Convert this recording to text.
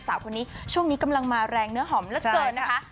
สาวคนนี้ช่วงนี้กำลังมาแรงเนื้อหอมเหลือเกินนะคะ